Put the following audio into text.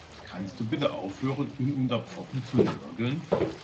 Kannst du bitte aufhören, ununterbrochen zu nörgeln?